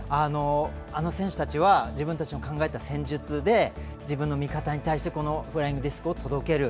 あの選手たちは自分たちの考えた戦術で自分の味方に対してフライングディスクを届ける。